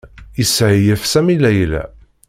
Yessehyef Sami Layla.